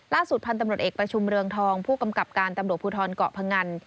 พันธุ์ตำรวจเอกประชุมเรืองทองผู้กำกับการตำรวจภูทรเกาะพงัน